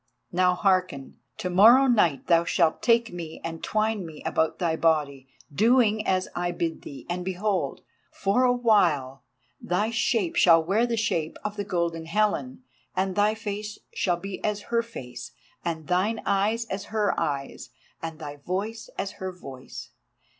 "Now hearken! To morrow night thou shalt take me and twine me about thy body, doing as I bid thee, and behold! for a while thy shape shall wear the shape of the Golden Helen, and thy face shall be as her face, and thine eyes as her eyes, and thy voice as her voice.